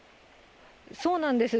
そうなんです。